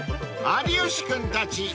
［有吉君たち